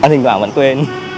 hình ảnh vẫn quên